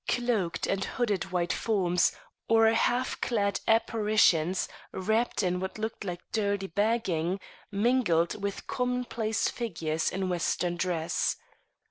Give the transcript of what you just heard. Cloaked and hooded white forms, or half clad apparitions wrapped in what looked like dirty bagging, mingled with commonplace figures in Western dress.